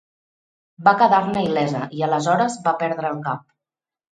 Va quedar-ne il·lesa i aleshores va perdre el cap.